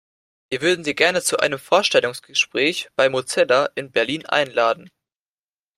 Wir würden Sie gerne zu einem Vorstellungsgespräch bei Mozilla in Berlin einladen!